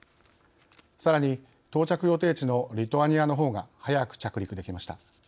さらに到着予定地のリトアニアのほうが早く着陸できました。